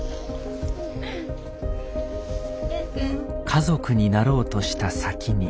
家族になろうとした先に。